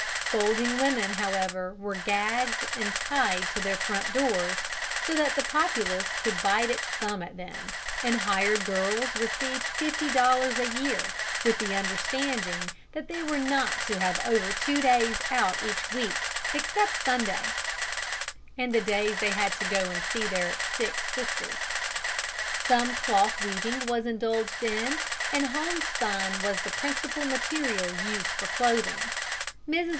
Scolding women, however, were gagged and tied to their front doors, so that the populace could bite its thumb at them, and hired girls received fifty dollars a year, with the understanding that they were not to have over two days out each week, except Sunday and the days they had to go and see their "sick sisters." Some cloth weaving was indulged in, and homespun was the principal material used for clothing. Mrs.